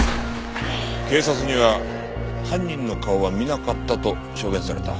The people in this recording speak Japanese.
警察には犯人の顔は見なかったと証言された。